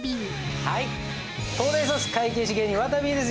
東大卒会計士芸人わたびです。